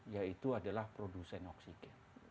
yaitu adalah produsen oksigen